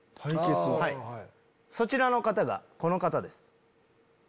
そちらの方がこの方です。